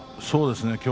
そうですね